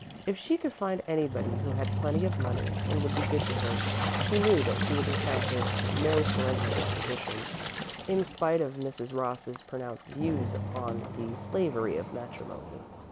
If she could find anybody who had plenty of money and would be good to her, she knew that she would encounter no parental opposition, in spite of Mrs. Ross's pronounced views upon the slavery of matrimony.